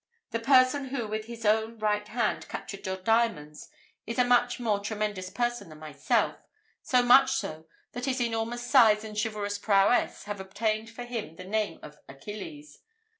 the person who with his own right hand captured your diamonds is a much more tremendous person than myself, so much so, that his enormous size and chivalrous prowess have obtained for him the name of Achilles.